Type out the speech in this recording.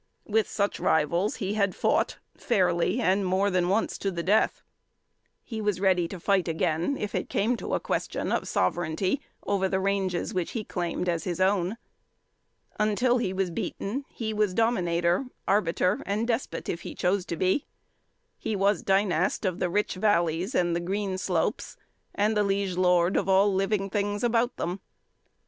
With such rivals he had fought fairly and more than once to the death. He was ready to fight again, if it came to a question of sovereignty over the ranges which he claimed as his own. Until he was beaten he was dominator, arbiter, and despot, if he chose to be. He was dynast of the rich valleys and the green slopes, and liege lord of all living things about him.